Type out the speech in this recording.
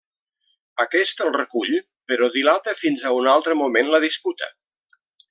Aquest el recull, però dilata fins a un altre moment la disputa.